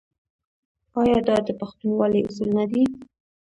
آیا دا د پښتونولۍ اصول نه دي؟